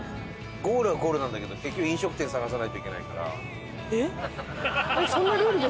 ゴールはゴールなんだけど結局飲食店探さないといけないから。